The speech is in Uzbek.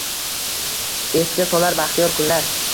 Esga solar baxtiyor kunlar.